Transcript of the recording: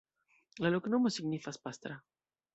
La loknomo signifas: pastra.